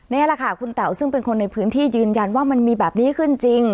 นี่แหละค่ะคุณเต๋าซึ่งเป็นคนในพื้นที่ยืนยันว่ามันมีแบบนี้ขึ้นจริง